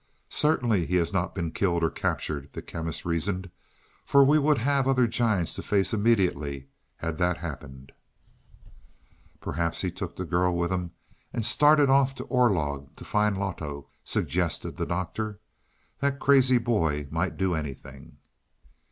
"Certainly he has not been killed or captured," the Chemist reasoned, "for we would have other giants to face immediately that happened." "Perhaps he took the girl with him and started off to Orlog to find Loto," suggested the Doctor. "That crazy boy might do anything."